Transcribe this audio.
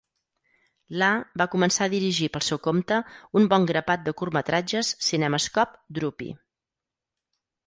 Lah va començar a dirigir pel seu compte un bon grapat de curtmetratges CinemaScope Droopy.